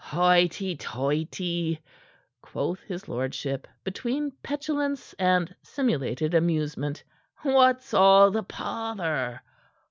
"Hoity toity!" quoth his lordship, between petulance and simulated amusement. "What's all the pother?